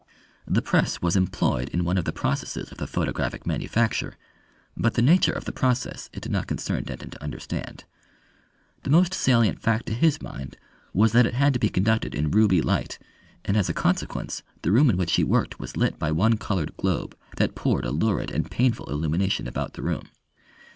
The press was employed in one of the processes of the photographic manufacture, but the nature of the process it did not concern Denton to understand. The most salient fact to his mind was that it had to be conducted in ruby light, and as a consequence the room in which he worked was lit by one coloured globe that poured a lurid and painful illumination about the room.